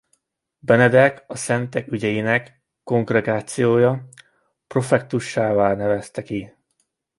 Benedek a Szentek Ügyeinek Kongregációja pro-prefektusává nevezte ki.